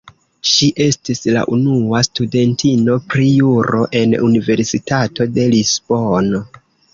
Ŝi estis la unua studentino pri Juro en Universitato de Lisbono.